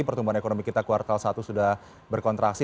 pertumbuhan ekonomi kita kuartal satu sudah berkontraksi